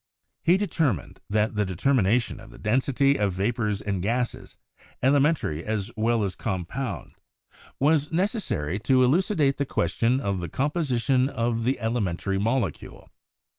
He considered that the determination of the density of vapors and gases, elementary as well as compound, was 216 CHEMISTRY necessary to elucidate the question of the composition of the elementary molecule.